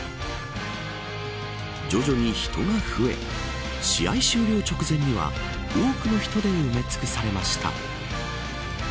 徐々に人が増え試合終了直前には多くの人で埋め尽くされました。